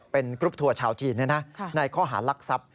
เป็นกรุ๊ปทัวร์ชาวจีนเนี่ยนะในข้อหารลักษัพ